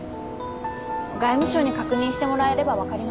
外務省に確認してもらえればわかります。